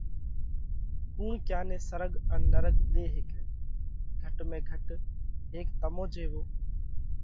ڪُوڻ ڪيا نئہ سرڳ ان نرڳ ۮي هيڪئه؟ گھٽ ۾ گھٽ هيڪ تمون جيوو